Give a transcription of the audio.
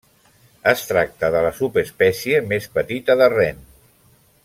Es tracta de la subespècie més petita de ren.